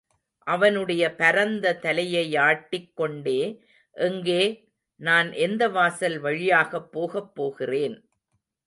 அவனுடைய பரந்த தலையையாட்டிக் கொண்டே, எங்கே, நான் எந்த வாசல் வழியாகப் போகப் போகிறேன்.